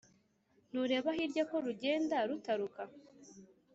ntureba hiryaaa ko rugenda rutaruka.»